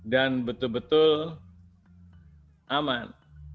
dan betul betul aman